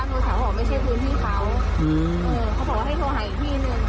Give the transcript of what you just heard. เราตามถามว่าไม่ใช่คุณพี่เขาหื้อเขาบอกว่าให้โทรหาอีกที่นึง